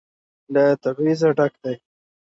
له تبعيضه ډک دى.